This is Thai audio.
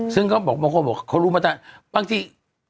ซึ่งก็บอกบางคนบอกเขารู้มาแต่บางที